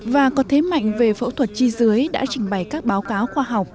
và có thế mạnh về phẫu thuật chi dưới đã trình bày các báo cáo khoa học